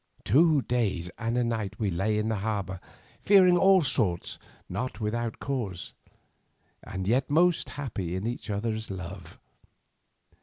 Two days and a night we lay in the harbour, fearing all things not without cause, and yet most happy in each other's love.